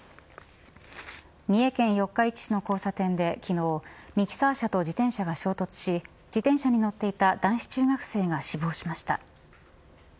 三重県四日市市の交差点で、昨日ミキサー車と自転車が衝突し自転車に乗っていた男子中学生が死亡しました。